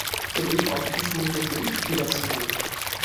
তিনি কণ্ঠসঙ্গীতই বেছে নেন।